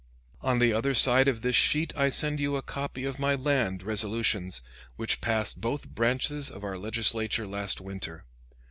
"On the other side of this sheet I send you a copy of my Land Resolutions, which passed both branches of our Legislature last winter.